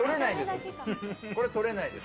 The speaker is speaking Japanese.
これはとれないです。